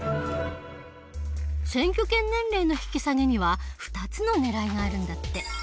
選挙権年齢の引き下げには２つのねらいがあるんだって。